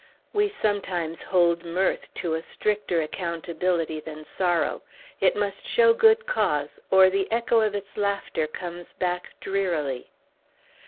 We sometimes hold mirth to a stricter accountability than sorrow; it must show good cause, or the echo of its laughter comes back drearily.